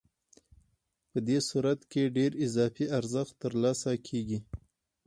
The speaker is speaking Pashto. په دې صورت کې ډېر اضافي ارزښت ترلاسه کېږي